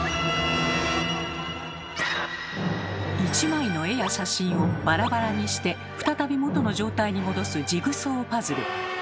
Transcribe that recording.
１枚の絵や写真をバラバラにして再び元の状態に戻すジグソーパズル。